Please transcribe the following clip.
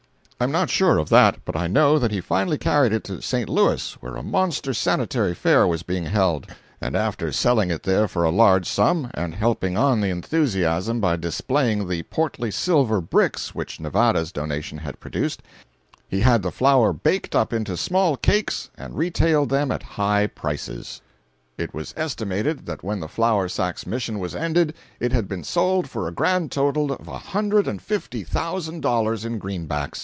I am not sure of that, but I know that he finally carried it to St. Louis, where a monster Sanitary Fair was being held, and after selling it there for a large sum and helping on the enthusiasm by displaying the portly silver bricks which Nevada's donation had produced, he had the flour baked up into small cakes and retailed them at high prices. It was estimated that when the flour sack's mission was ended it had been sold for a grand total of a hundred and fifty thousand dollars in greenbacks!